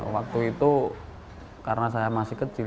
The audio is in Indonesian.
waktu itu karena saya masih kecil